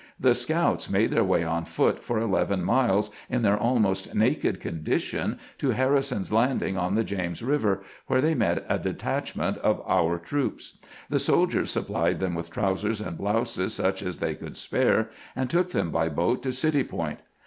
The scouts made their way on foot for eleven miles, in their almost naked condition, to Harrison's Landing on the James River, where they met a detachment of our troops. The sol diers supplied them with trousers and blouses such as they could spare, and took them by boat to City Point.